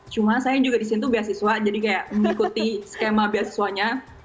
cuma saya juga di situ beasiswa jadi kayak mengikuti skema beasiswanya